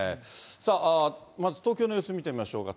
まず東京の様子見てみましょうか。